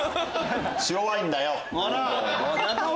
白ワインだよ！